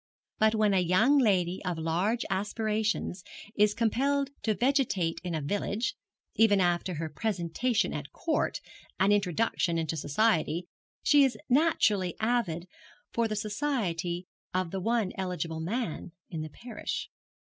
But when a young lady of large aspirations is compelled to vegetate in a village even after her presentation at court and introduction into society she is naturally avid for the society of the one eligible man in the parish.